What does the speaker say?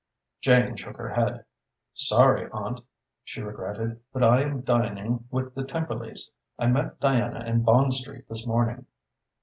Jane shook her head. "Sorry, aunt," she regretted, "but I am dining with the Temperleys. I met Diana in Bond Street this morning."